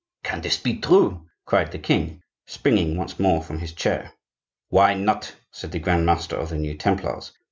"Can this be true?" cried the king, springing once more from his chair. "Why not?" said the grand master of the new Templars.